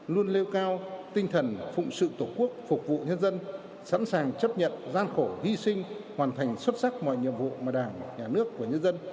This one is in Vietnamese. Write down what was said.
luôn nêu cao tinh thần phụng sự tổ quốc phục vụ nhân dân sẵn sàng chấp nhận gian khổ hy sinh hoàn thành xuất sắc mọi nhiệm vụ mà đảng nhà nước của nhân dân